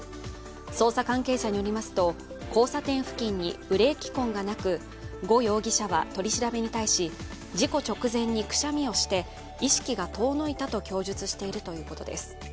捜査関係者によりますと交差点付近にブレーキ痕がなく呉容疑者は取り調べに対し事故直前にくしゃみをして、意識が遠のいたと供述しているということです。